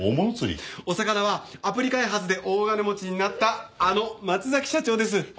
オサカナはアプリ開発で大金持ちになったあの松崎社長です。